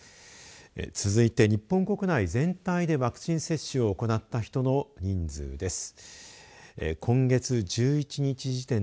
続いて日本国内全体ではワクチン接種を行った人の人数です。